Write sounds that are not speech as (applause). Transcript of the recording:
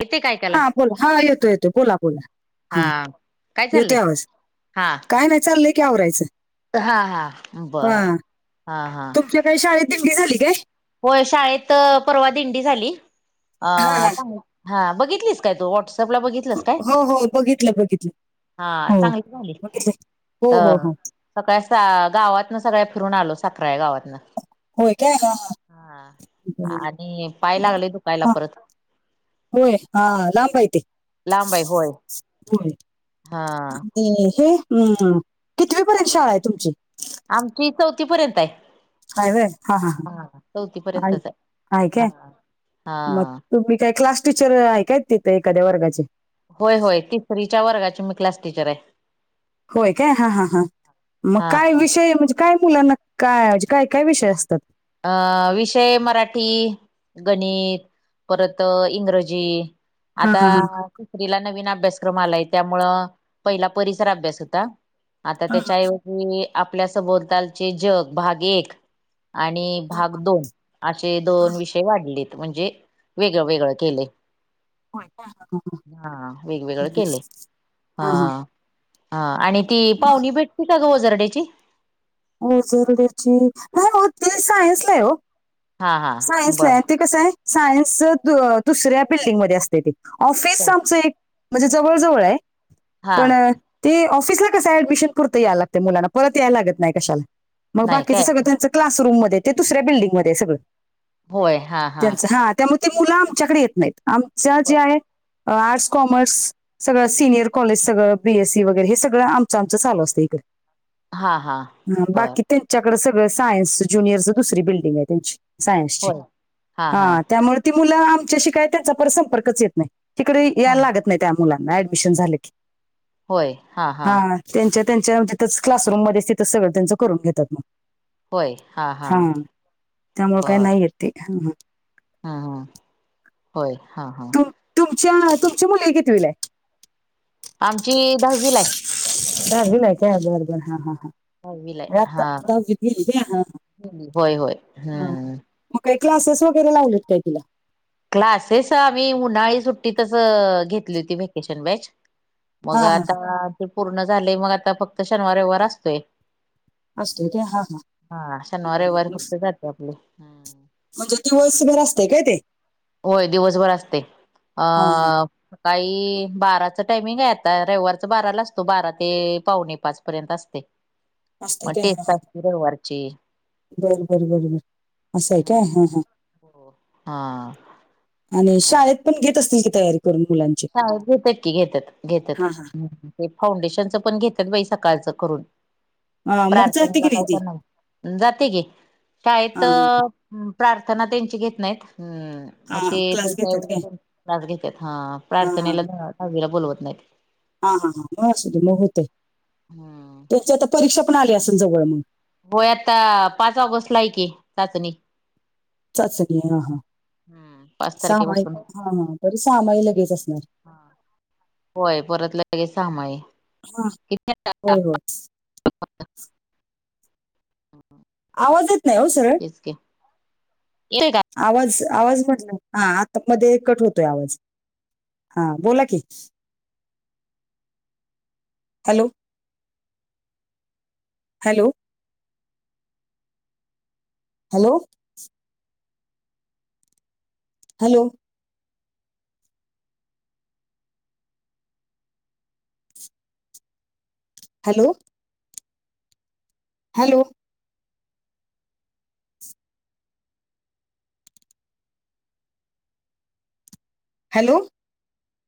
येते काय ऐकायला हा बोला, हा येतो येतो बोला बोला हा काय येतोय चाललंय आवाज. हा काय नाही चाललंय की आवरायचं. हा हा बर हा हा. (unintelligible) दिंगी झाली काय? होय शाळेत परवा दिंडी झाली, अ हां, हां. चांग हां बघितलीस काय तू व्हॉट्सअप ला बघित स काय? हो हो बघितलं बघितलं हा हो चांगली झाली बघितलं हो ह. हो हो सकाळस त्या गावातन सगळ्या फिरून आलो साखरा या गावातन. होय काय? हा हा. हा आणि पाय लागले दुकायला हा, परत. होय हा लांब आहे ते, लांब आहे होय होय. हा म्म हे कितवी पर्यंत शाळा आहे तुमची? आमची चौथी पर्यंत आहे. हा चौथी आहे- पर्यंतच आहे हा मग हा. तुम्ही काय क्लास टीचर हाय काय? तिथे एखाद्या वर्गाचे? होय, होय तिसरीच्या वर्गाची मी क्लास टीचर हाय. होय काय, हा, हा, हां मग काय हा विषय म्हणजे काय मुलांना काय, काय, काय विषय असतात? अ, विषय मराठी, गणित, परत इंग्रजी हा आता हा हा दुसरीला नवीन अभ्यासक्रम आलाय त्यामुळं, पहिला परिसर अभ्यास होता. आता हां, हां, त्याच्याऐवजी, आपल्या संबोलतालचे जग भाग एक. आणि हां, भाग हां, दोन, आशे हां. दोन विषय वाढलेत म्हणजे वेगळं -वेगळं केलय होय का? हां, हां. हा वेगवेगळ हं. केलय, हा. हां, हां. हा आणि ती मग पाहुणी भेटती का ग? वजरड्याची हो, जरदेची नाही हो ते सायन्सला आहे वो. हा हा सायन्सला बर हाय ते कसं हाय सायन्सच दुसऱ्या बिल्डिंगमध्ये असतय ते, ऑफिस आमचं एक म्हणजे जवळ -जवळ हाय हा पण ते ऑफिसला कस ऍडमिशन पुुरता यायला लागते मुलाना परत यायला लागत नाही कशाला. मग नाही काय बाकीचं सगळं त्यांचं क्लासरूम मध्ये ते दुसऱ्या बिडिंगमध्ये सगळं होय हा त्यांच, हा त्यामुळे ते मुलं आमच्याकडे येत नाहीत आमच्या जे आहे आर्ट्स, कॉमर्स, सगळं सिनियर कॉलेज सगळं, बीएसी वगैर हे सगळं आमच, आमचं चालू असतय इकडे हा, हा. हा बर बाकी त्येच्याकड त्यांच्याकड सगळं सायन्स जुनियरच दुसरी बिल्डिंग आहे त्यांची सायन्सची, होय. हा त्यामुळे ती मुलं आमच्याशी काय त्यांचा पर संंपर्कच येत नाही तिकडे, हा. याय लागत नाही त्या मुलांना ऍडमिशन झाल की होय हा, हा. त्यांच्या, त्यांच्या तिथंच क्लासरूममध्ये तिथंच सगळं त्यांच करून घेतात मग. हा, त्यामुळे काय बर नाही येत ते. हा, हा. हा, होय हा, हा. तुमच्या, तुमची मुलगी कितवीला हाय? आमची दहावीला हाय. दहावीला हाय काय. बर, बर, हा, हा, हा. दहावीला होय आहे आता, हा दहावीत गेली काय हा, होय होय हा, हा. हम्म मग काय क्लासेस वगैरे लावलेत काय तिला? क्लासेस आम्ही उन्हाळी सुट्टीतच घेतली होती, व्हॅकेशन बॅच मग हा हा हा. आता, ते पूर्ण झालय मग आता फक्त शनिवार, रविवार असतोय. असतोय काय हा हा शनिवार, रविवारी फक्त जात्या आपल. म्हणजे दिवस भर असतय काय ते? होय दिवसभर असतय. अ हा काही बाराच टायमिंग हाय. आता रविवारच बाराला असतो बारा ते पावणे -पाच पर्यंत असतय. (unintelligible) असतय काय ना, बरोबर, बरोबर. असं हाय काय हा, हा. हा आणि शाळेत पण घेत असतील की तयारी करून मुलांची? हो पट्टी घेत्यात, घेत्यात. हा हा ते फाउंडेशनचं पण घेत्यात बाई सकाळचं करून. हा, मग जाते की पार्थनेला नाही काय ती करणार. जाते कि शाळेत हा ह् प्रार्थना त्यांची घेत नाहीत,, हम्म. हा मग हा ते क्लास त्याच्या घेतात काय भाग घेत्यात,, हा हा हा प्रार्थनेला दहावीला बोलवत नाहीत. हा हा, हां मग असु दे,, मग होतय. हम्म. त्याची आता परीक्षा पण आली असल जवळ. होय आता पाच ऑगस्ट ला आहे की, चाचणी. चाचणी हा, हा हम्म. पाच सहामाई तारखेपासून हा, हा तरी सहामाई लगेच असणार. होय, परत लगे सहामाई. हा होय होय, आवाज येत नाही ओ तेच की,, येतोय काय? आवाज, आवाज म्हटलं हा आता मध्ये कट होतोय आवाज. हा बोला की. Hello hello. Hello. Hello. Hello. Hello. Hello.